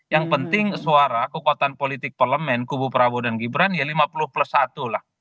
yang penting suara kekuatan politik parlemen kubu prabowo dan gibran ya lima puluh plus satu lah